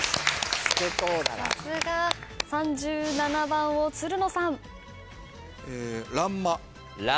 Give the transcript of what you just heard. ３７番をつるのさん。